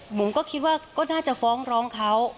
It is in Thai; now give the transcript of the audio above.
ผมก็คิดว่าก็น่าจะฟ้องร้องเขา